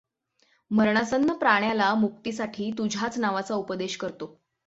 मरणासन्न प्राण्याला मुक्तीसाठी तुझ्याच नावाचा उपदेश करतो.